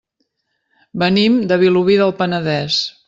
Venim de Vilobí del Penedès.